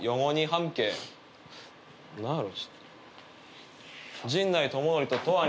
何やろ？